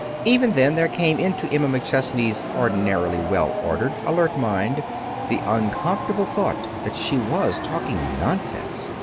Even then there came into Emma McChesney's ordinarily well ordered, alert mind the uncomfortable thought that she was talking nonsense.